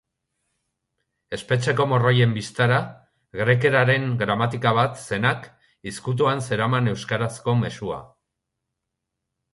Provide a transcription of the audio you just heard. Espetxeko morroien bistara grekeraren gramatika bat zenak, izkutuan zeraman euskarazko mezua.